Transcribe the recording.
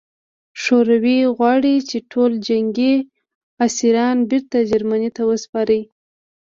شوروي غواړي چې ټول جنګي اسیران بېرته جرمني ته وسپاري